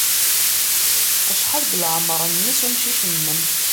Acḥal deg leɛmeṛ-nnes umcic-nnem?